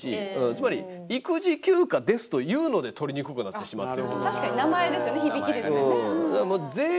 つまり「育児休暇です」というので取りにくくなってしまってる。